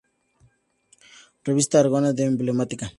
Revista Aragonesa de Emblemática".